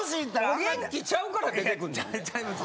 お元気ちゃうから出てくんねんで。